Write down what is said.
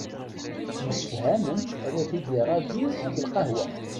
Msefhamen ad t-id-iraju deg lqahwa.